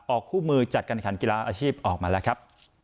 คู่มือจัดการขันกีฬาอาชีพออกมาแล้วครับ